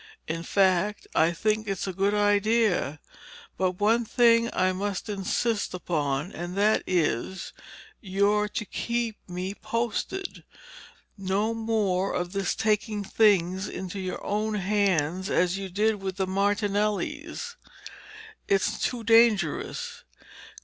In fact, I think it's a good idea. But one thing I must insist upon and that is—you're to keep me posted. No more of this taking things into your own hands, as you did with the Martinellis. It's too dangerous.